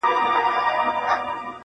زما د نصیب جامونه څرنګه نسکور پاته دي!.